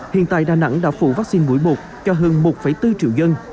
hiện tại đà nẵng đã phụ vaccine mũi bột cho hơn một bốn triệu dân